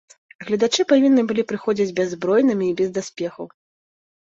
Гледачы павінны былі прыходзіць бяззбройнымі і без даспехаў.